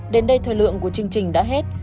đến đây thời lượng của chương trình đã hết